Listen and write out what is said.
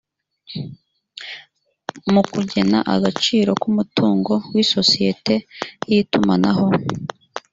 mu kugena agaciro k umutungo w isosiyete y itumanaho